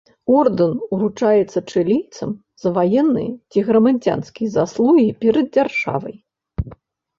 Ордэн уручаецца чылійцам за ваенныя ці грамадзянскія заслугі перад дзяржавай.